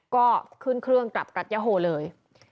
ก็ขึ้นเครื่องกลับรัฐยาโฮเลย